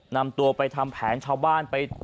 นำตัวไปทำแผนชาวบ้านไป